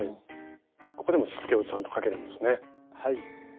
ここでもしつけをちゃんとかけるんですね。